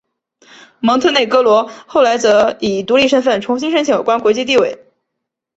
蒙特内哥罗后来则以独立身份重新申请有关国际地位。